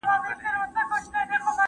خپل ماشومان له خاورو او ګردونو لرې وساتئ.